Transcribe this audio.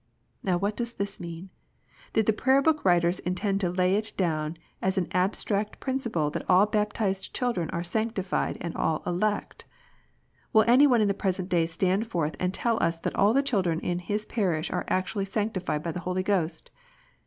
Now what does this mean 1 Did the Prayer book writers intend to lay it down as an abstract prin ciple that all baptized children are " sanctified " and all " elect "? Will any one in the present day stand forth and tell us that all the children in his parish are actually sanctified by the Holy Ghost